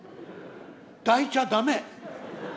抱いちゃ駄目。